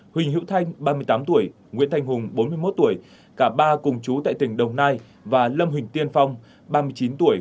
huỳnh hữu thanh ba mươi tám tuổi nguyễn thanh hùng bốn mươi một tuổi cả ba cùng chú tại tỉnh đồng nai và lâm huỳnh tiên phong ba mươi chín tuổi